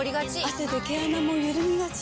汗で毛穴もゆるみがち。